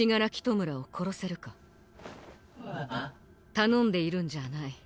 頼んでいるんじゃあない。